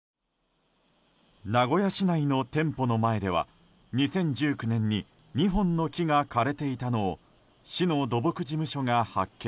名古屋市内の店舗の前では２０１９年に２本の木が枯れていたのを市の土木事務所が発見。